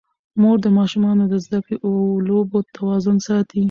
مور د ماشومانو د زده کړې او لوبو توازن ساتي.